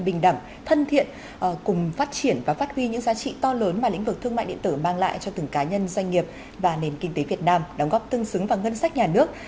bình đẳng thân thiện cùng phát triển và phát huy những giá trị to lớn mà lĩnh vực thương mại điện tử mang lại cho từng cá nhân doanh nghiệp và nền kinh tế việt nam đóng góp tương xứng vào ngân sách nhà nước